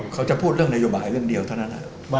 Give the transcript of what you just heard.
เขาจะพูดเรื่องนโยบายเรื่องเดียวเท่านั้น